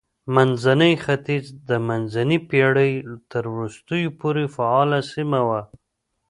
منځنی ختیځ د منځنۍ پېړۍ تر وروستیو پورې فعاله سیمه وه.